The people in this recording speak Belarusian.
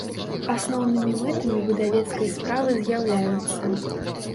Асноўнымi мэтамi выдавецкай справы з’яўляюцца.